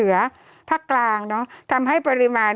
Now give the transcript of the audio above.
โทษทีน้องโทษทีน้อง